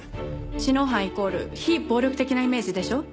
知能犯イコール非暴力的なイメージでしょ？